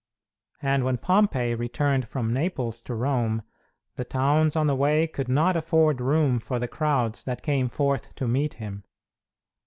And when Pompey returned from Naples to Rome the towns on the way could not afford room for the crowds that came forth to meet him.